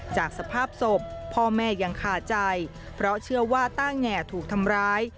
จากสภาพศพพ่อแม่ยังคาใจเพราะเชื่อว่าต้าแง่ถูกทำร้าย